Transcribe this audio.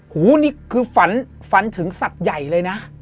หูนี่คือฝันฝันถึงสัตว์ใหญ่เลยนะ